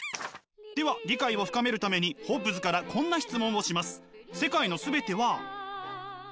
では理解を深めるためにホッブズからこんな質問をします。